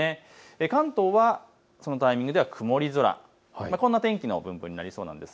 関東はそのタイミングでは曇り空、こんな天気の分布になりそうです。